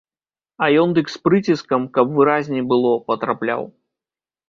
А ён дык з прыціскам, каб выразней было, патрапляў.